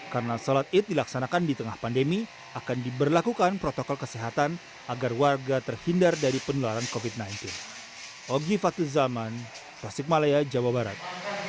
karena sholat id dilaksanakan di tengah pandemi akan diberlakukan protokol kesehatan agar warga terhindar dari penularan covid sembilan belas